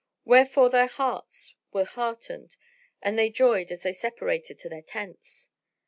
Wherefore their hearts were heartened and they joyed as they separated to their tents.